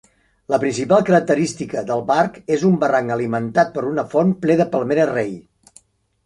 La principal característica del parc és un barranc alimentat per una font ple de palmeres rei.